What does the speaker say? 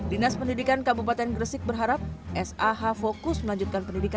dinas pendidikan kabupaten gresik berharap sah fokus melanjutkan pendidikan